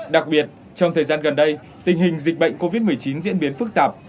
đặc biệt trong thời gian gần đây tình hình dịch bệnh covid một mươi chín diễn biến phức tạp